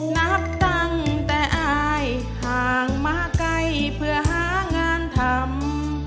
นับตั้งแต่อายห่างมาไกลเพื่อหางานทำ